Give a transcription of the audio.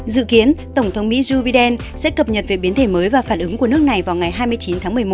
dự kiến tổng thống mỹ joe biden sẽ cập nhật về biến thể mới và phản ứng của nước này vào ngày hai mươi chín tháng một mươi một